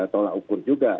tolak ukur juga